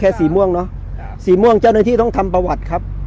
สีม่วงเนอะสีม่วงเจ้าหน้าที่ต้องทำประวัติครับ